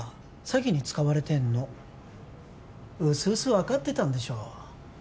詐欺に使われてんのうすうす分かってたんでしょ